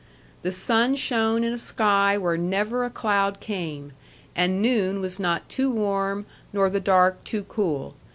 The sun shone in a sky where never a cloud came, and noon was not too warm nor the dark too cool.